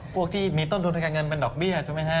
พวกที่มีต้นทุนทางการเงินเป็นดอกเบี้ยใช่ไหมฮะ